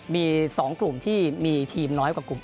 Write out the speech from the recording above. มี๒กลุ่มที่มีทีมน้อยกว่ากลุ่ม